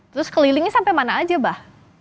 terus kelilingnya sampai mana saja abah